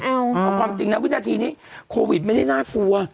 เอาความจริงนะวินาทีนี้โควิดไม่ได้น่ากลัว